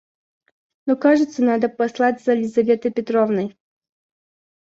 Но кажется... Надо послать за Лизаветой Петровной.